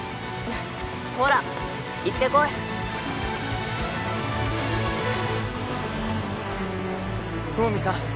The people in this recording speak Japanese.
ほら行ってこい魚見さん